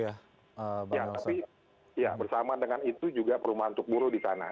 ya tapi ya bersama dengan itu juga perumahan untuk buruh di sana